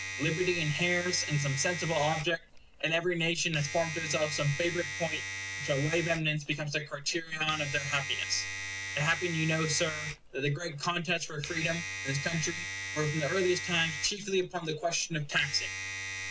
Liberty inheres in some sensible object; and every nation has formed to itself some favorite point, which by way of eminence becomes the criterion of their happiness. It happened, you know, Sir, that the great contests for freedom in this country were from the earliest times chiefly upon the question of taxing.